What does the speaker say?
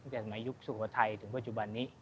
จากในยุคสุโขทัยถึงปัจจุบันนี้